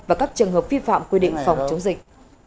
và các trường hợp vi phạm quy định phòng chống dịch